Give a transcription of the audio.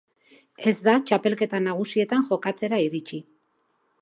Ez da txapelketa nagusietan jokatzera iritsi.